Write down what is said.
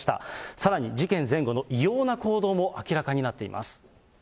さらに事件前後の異様な行動も明らかになっています。